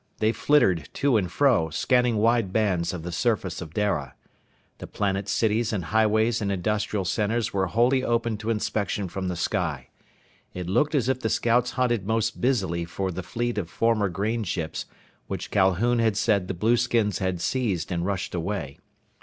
They flittered to and fro, scanning wide bands of the surface of Dara. The planet's cities and highways and industrial centers were wholly open to inspection from the sky. It looked as if the scouts hunted most busily for the fleet of former grain ships which Calhoun had said the blueskins had seized and rushed away.